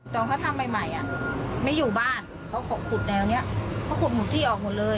ตอนเขาทำใหม่ใหม่ไม่อยู่บ้านเขาขุดแนวนี้เขาขุดหุดที่ออกหมดเลย